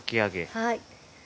はい。